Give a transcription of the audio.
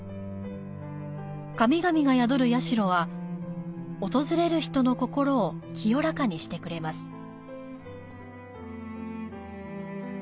神々が宿る杜は、訪れる人の心を清らかにしてくれます。